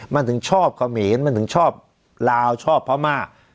มันถึงชอบขเมนมันถึงชอบลาวชอบพาวมาร์